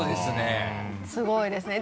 すごい人ですね。